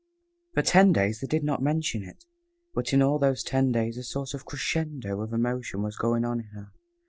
For ten days they did not mention it, but in all those ten days a sort of crescendo of emotion was going on in her.